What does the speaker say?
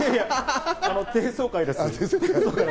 低層階です。